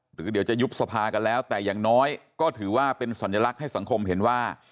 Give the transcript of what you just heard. หรือเดี๋ยวจะยุบสภากันแล้วแต่อย่างน้อยก็ถือว่าเป็นสัญลักษณ์ให้สังคมเห็นว่า